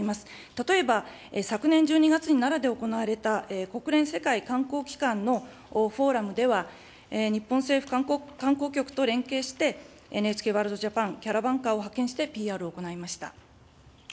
例えば、昨年１２月に奈良で行われた国連世界観光機関のフォーラムでは、日本政府観光局と連携して、ＮＨＫワールドＪＡＰＡＮキャラバンカーを派遣して、ＰＲを行いました。